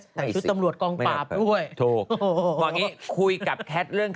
ใส่ชุดตำรวจกองปราบด้วยถูกโอ้โหบอกนี้คุยกับแคทเรื่อง